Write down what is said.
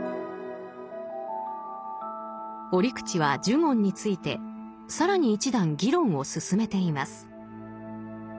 折口は呪言について更に一段議論を進めています。